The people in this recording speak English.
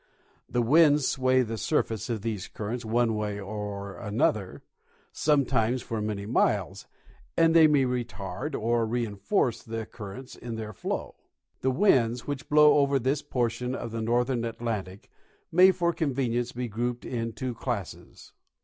The winds sway the surface of these currents one way or another, some times for many miles, and they may retard or reinforce th ecur rents in their flow. The winds which blow over this portion of the northern Atlantic may for convenience be grouped in two classes.